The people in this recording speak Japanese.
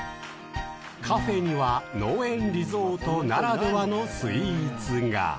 カフェには、農園リゾートならではのスイーツが。